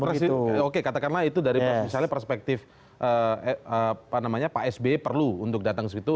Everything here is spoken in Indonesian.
tapi oke katakanlah itu dari perspektif pak sby perlu untuk datang begitu